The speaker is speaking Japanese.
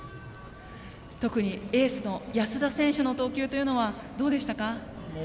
特にエースの安田選手の投球というのはどうでしたか？